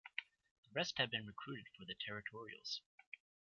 The rest had been recruited for the territorials.